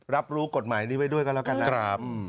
รับรู้กฎหมายนี้ไว้ด้วยกันแล้วกันนะครับ